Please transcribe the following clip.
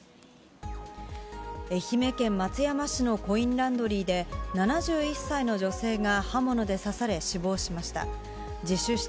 愛媛県松山市のコインランドリーで、７１歳の女性が刃物で刺され死亡しました。